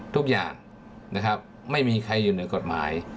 ทุกอย่างนะครับไม่มีใครอยู่เหนือกฎหมาย